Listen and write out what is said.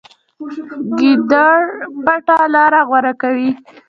ګیدړ پټه لاره غوره کوي.